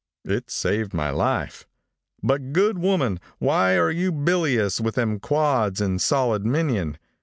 It saved my life. My good woman, why are you bilious with em quads in solid minion.